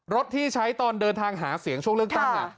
รถที่ใช้ตอนเดินทางหาเสียงช่วงเลือกตั้ง